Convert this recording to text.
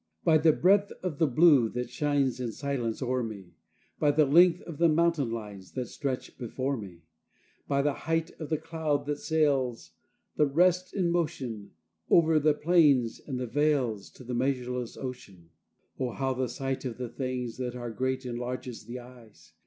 By the breadth of the blue that shines in silence o'er me, By the length of the mountain lines that stretch before me, By the height of the cloud that sails, with rest in motion, Over the plains and the vales to the measureless ocean, (Oh, how the sight of the things that are great enlarges the eyes!)